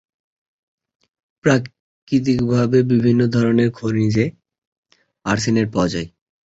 প্রাকৃতিকভাবে বিভিন্ন ধরনের খনিজে আর্সেনেট পাওয়া যায়।